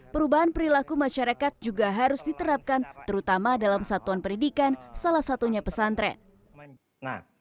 perubahan perilaku masyarakat juga harus diterapkan terutama dalam satuan pendidikan salah satunya pesantren